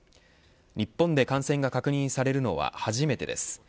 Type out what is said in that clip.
日本で感染が確認されるのは初めてです。